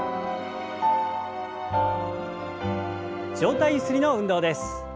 上体ゆすりの運動です。